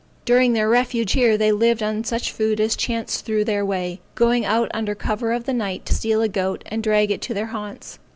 During their refuge here, they lived on such food as chance threw in their way; going out under cover of the night to steal a goat and drag it to their haunts.